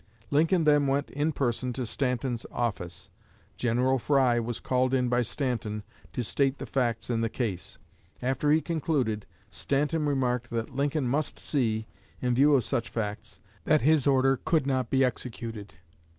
Lincoln then went in person to Stanton's office. General Fry was called in by Stanton to state the facts in the case. After he concluded, Stanton remarked that Lincoln must see, in view of such facts, that his order could not be executed.